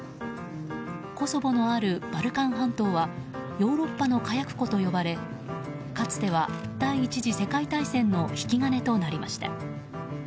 コソボのあるバルカン半島はヨーロッパの火薬庫と呼ばれかつては第１次世界大戦の引き金となりました。